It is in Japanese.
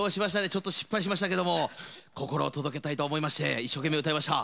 ちょっと失敗しましたけども心を届けたいと思いまして一生懸命歌いました。